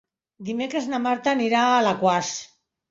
Divendres na Marta anirà a Alaquàs.